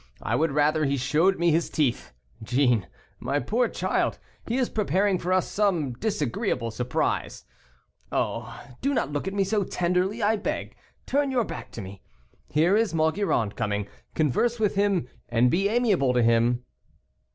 I would rather he showed me his teeth. Jeanne, my poor child, he is preparing for us some disagreeable surprise. Oh I do not look at me so tenderly, I beg; turn your back to me. Here is Maugiron coming; converse with him, and be amiable to him."